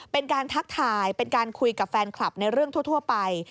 ทักทายเป็นการคุยกับแฟนคลับในเรื่องทั่วไป